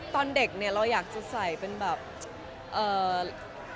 ตอนเด็กเนี่ยเราอยากจะใส่เป็นแบบเอ่อ